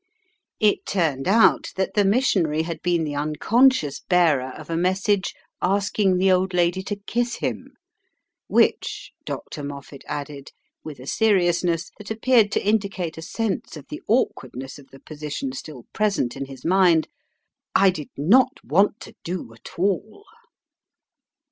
It turned out that the missionary had been the unconscious bearer of a message asking the old lady to kiss him, "which," Dr. Moffat added, with a seriousness that appeared to indicate a sense of the awkwardness of the position still present in his mind, "I did not want to do at all."